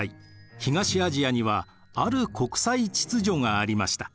東アジアにはある国際秩序がありました。